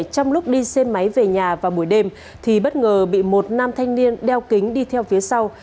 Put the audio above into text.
trong lúc đi xe máy về nhà vào buổi đêm thì bất ngờ bị một nam thanh niên đeo kính đi theo phía sau